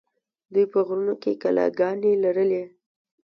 دوی په غرونو کې کلاګانې لرلې